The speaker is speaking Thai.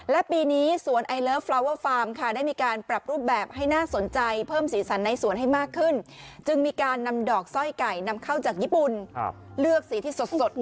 และปีนี้สวนไอเลิฟฟลาเวอร์ฟาร์มค่ะได้มีการปรับรูปแบบให้น่าสนใจเพิ่มสีสันในสวนให้มากขึ้นจึงมีการนำดอกสร้อยไก่นำเข้าจากญี่ปุ่นเลือกสีที่สด